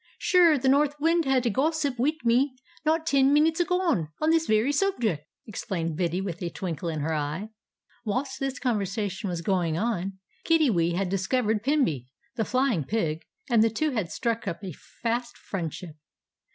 "Sure, the North Wind had a gossip wid me, not ten minutes agone, on this very subject!" explained Biddy, with a twinkle in her eye. Whilst this conversation was going on, Kiddiwee had discovered Pimby, the Flying Pig, and the two had struck up a fast friendship.